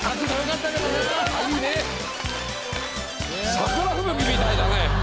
桜吹雪みたいだね。